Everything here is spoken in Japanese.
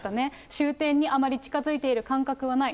終点にあまり近づいている感覚はない。